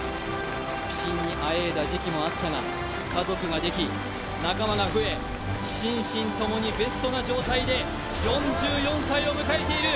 不振にあえいだ時期もあったが家族ができ仲間が増え、心身ともにベストな状態で４４歳を迎えている。